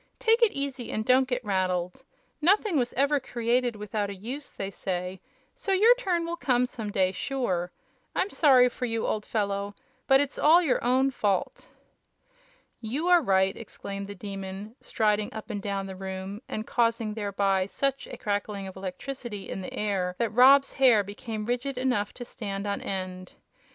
"Take it easy and don't get rattled. Nothing was every created without a use, they say; so your turn will come some day, sure! I'm sorry for you, old fellow, but it's all your own fault." "You are right!" exclaimed the Demon, striding up and down the room, and causing thereby such a crackling of electricity in the air that Rob's hair became rigid enough to stand on end.